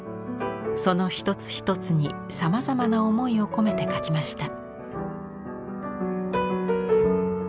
その一つ一つにさまざまな思いを込めて描きました。